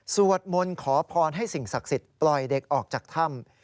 สวดมนต์ขอพรให้สิ่งศักดิ์สิทธิ์ปล่อยเด็กออกจากถ้ำ